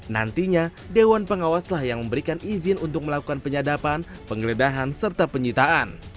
nantinya dewan pengawaslah yang memberikan izin untuk melakukan penyadapan penggeledahan serta penyitaan